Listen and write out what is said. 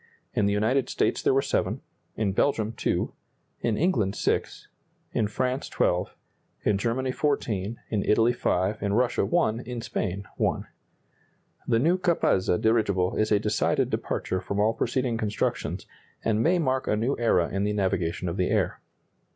In the United States there were 7; in Belgium, 2; in England, 6; in France, 12; in Germany, 14; in Italy, 5; in Russia, 1; in Spain, 1. The new Capazza dirigible is a decided departure from all preceding constructions, and may mark a new era in the navigation of the air.